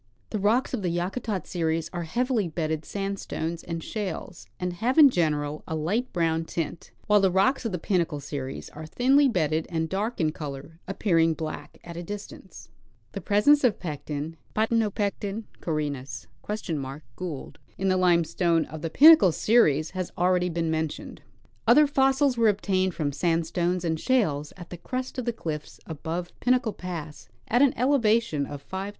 The rocks of the Yakutat series are heavily bedded sandstones and shales, and have in general a light brown tint ; while the rocks of the Pinnacle series are thinly bedded and dark in color, appearing black at a distance. The presence of a Pecten (P. caurinus (?) Gld.) in the limestone of the Pinnacle series has already been mentioned. Other fossils were obtained from sandstones and shales at the crest of the cliffs above Pinnacle pass at an elevation of 5,000 feet.